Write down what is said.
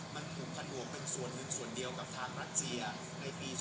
มันผูกพันบวกเป็นส่วนหนึ่งส่วนเดียวกับทางรัสเซียในปี๒๕๖